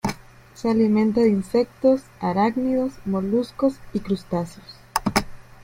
Se alimenta de insectos, arácnidos, moluscos, y crustáceos.